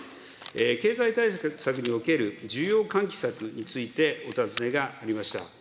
経済対策における需要喚起策についてお尋ねがありました。